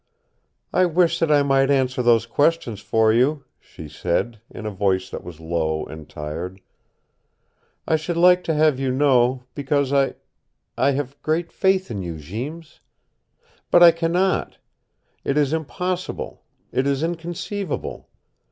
"I wish that I might answer those questions for you," she said, in a voice that was low and tired. "I should like to have you know, because I I have great faith in you, Jeems. But I cannot. It is impossible. It is inconceivable.